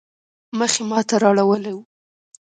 مخ يې ما ته رااړولی وو.